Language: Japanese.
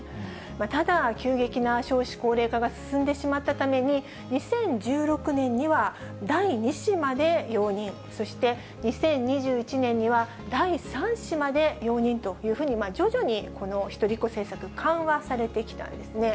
ただ、急激な少子高齢化が進んでしまったために、２０１６年には第２子まで容認、そして２０２１年には第３子まで容認というふうに徐々にこの一人っ子政策、緩和されてきたんですね。